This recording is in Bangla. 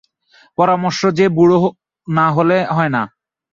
পরামর্শ যে বুড়ো না হলে হয় না।